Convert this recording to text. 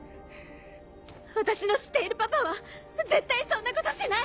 私の知っているパパは絶対そんなことしない！